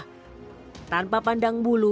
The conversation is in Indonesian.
tanpa pandang buka tidak ada yang bisa dihubungi